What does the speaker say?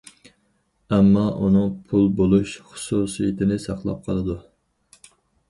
ئەمما ئۇنىڭ پۇل بولۇش خۇسۇسىيىتىنى ساقلاپ قالىدۇ.